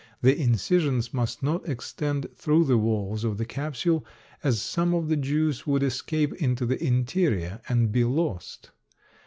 The incisions must not extend through the walls of the capsule, as some of the juice would escape into the interior and be lost.